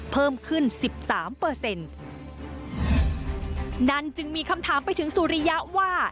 เพิ่มขึ้นสิบสามเปอร์เซ็นต์นั่นจึงมีคำถามไปถึงสุริยะว่า